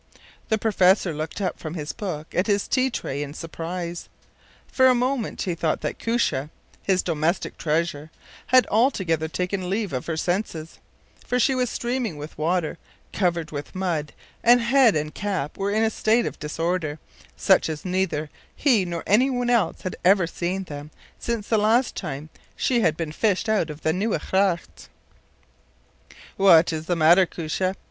The professor looked up from his book and his tea tray in surprise. For a moment he thought that Koosje, his domestic treasure, had altogether taken leave of her senses; for she was streaming with water, covered with mud, and head and cap were in a state of disorder, such as neither he nor any one else had ever seen them in since the last time she had been fished out of the Nieuwe Gracht. “What is the matter, Koosje?